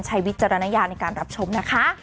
วิจารณญาณในการรับชมนะคะ